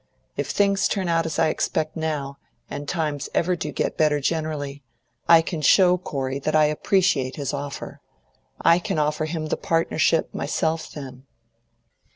If things turn out as I expect now, and times ever do get any better generally, I can show Corey that I appreciate his offer. I can offer him the partnership myself then."